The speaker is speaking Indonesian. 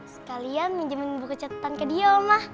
sekalian minjemin buku catetan ke dia oma